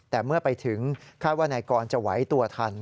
แต่เมื่อไปถึงคาดว่านายกรจะไหวตัวทัน